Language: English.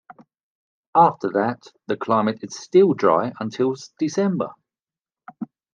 After that, the climate is still dry until December.